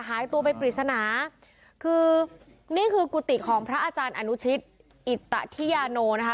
หายตัวไปปริศนาคือนี่คือกุฏิของพระอาจารย์อนุชิตอิตธิยาโนนะคะ